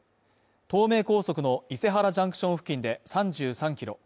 東名高速の伊勢原ジャンクション付近で３３キロ